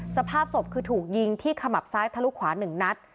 สภาพศพคือถูกยิงที่ขมับซ้ายทะลุขวา๑นัด